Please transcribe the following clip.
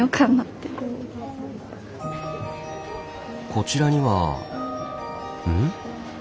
こちらにはうん？